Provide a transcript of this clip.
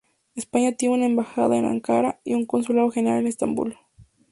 España tiene una embajada en Ankara y un consulado general en Estambul.